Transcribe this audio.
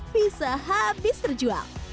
bisa habis terjual